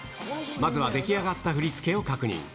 まずは出来上がった振り付けを確認。